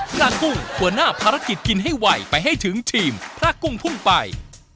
พระกุ้งหัวหน้าภารกิจกินให้ไวไปให้ถึงทีมพระกุ้งพุ่งไป